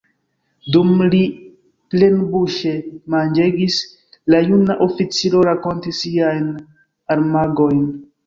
Dum li plenbuŝe manĝegis, la juna oficiro rakontis siajn armagojn.